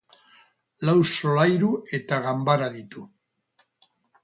Lau solairu eta ganbara ditu.